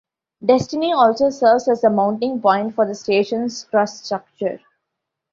"Destiny" also serves as the mounting point for the station's Truss Structure.